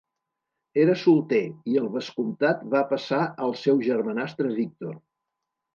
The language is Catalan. Era solter i el vescomtat va passar al seu germanastre Victor.